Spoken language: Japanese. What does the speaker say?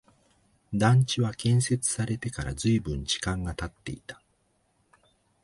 団地は建設されてから随分時間が経っていた